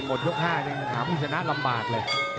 หมดยก๕นี่มันหาผู้ชนะลำบากเลย